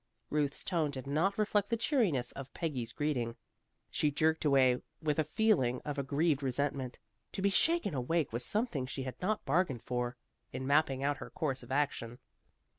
Ruth's tone did not reflect the cheeriness of Peggy's greeting. She jerked away with a feeling of aggrieved resentment. To be shaken awake was something she had not bargained for, in mapping out her course of action.